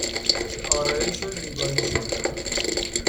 به آرایش و زیبایشون هم